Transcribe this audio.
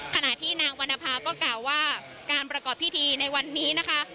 ขณะที่นางวรรณภาก็กล่าวว่าการประกอบพิธีในวันนี้นะคะ